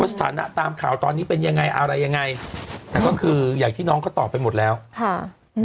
สถานะตามข่าวตอนนี้เป็นยังไงอะไรยังไงแต่ก็คืออย่างที่น้องเขาตอบไปหมดแล้วค่ะ